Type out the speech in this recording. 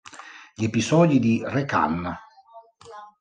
Gli episodi di "Re-Kan!